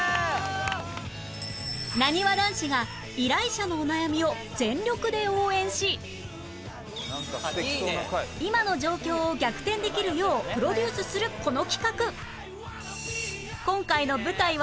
なにわ男子が依頼者のお悩みを全力で応援し今の状況を逆転できるようプロデュースするこの企画